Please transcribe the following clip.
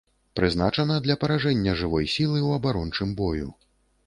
Прызначана для паражэння жывой сілы ў абарончым бою.